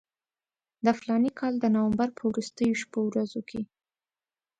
د فلاني کال د نومبر په وروستیو شپو ورځو کې.